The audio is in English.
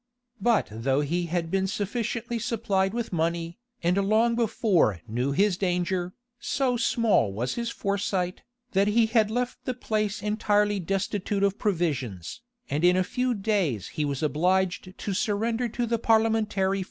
But though he had been sufficiently supplied with money, and long before knew his danger, so small was his foresight, that he had left the place entirely destitute of provisions, and in a few days he was obliged to surrender to the parliamentary forces.